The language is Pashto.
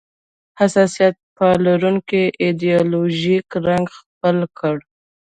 حساسیت پاروونکی ایدیالوژیک رنګ خپل کړ